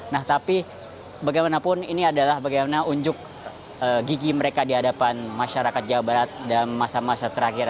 nah tapi bagaimanapun ini adalah bagaimana unjuk gigi mereka di hadapan masyarakat jawa barat dalam masa masa terakhir